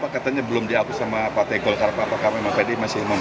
kami bersama kami dari mulai